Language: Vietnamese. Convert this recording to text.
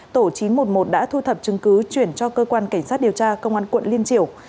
tổ chín trăm một mươi một đã thu thập chứng cứ chuyển cho cơ quan cảnh sát điều tra công an quận liên triều